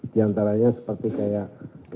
di antaranya seperti kayak